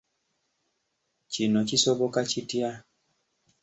Kino kisoboka kitya?